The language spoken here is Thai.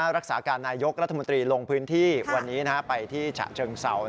รักษาการนายกรัฐมนตรีลงพื้นที่วันนี้ไปที่ฉะเชิงเศร้า